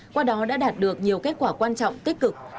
qua đó đã đạt được nhiều kết quả quan trọng tích cực